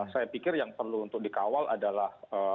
saya pikir yang perlu untuk dikawal adalah